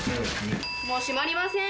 もう閉まりません。